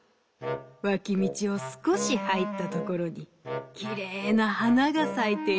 わきみちをすこしはいったところにきれいなはながさいているぞ」。